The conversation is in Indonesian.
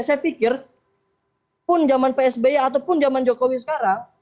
saya pikir pun zaman psb ataupun zaman jokowi sekarang